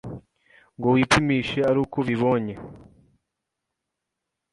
ngo wipimishe aruko ubibonye